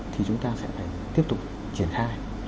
thì chúng ta sẽ phải tiếp tục triển khai